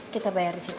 kita bayar disitu